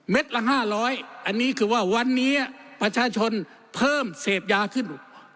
ละ๕๐๐อันนี้คือว่าวันนี้ประชาชนเพิ่มเสพยาขึ้น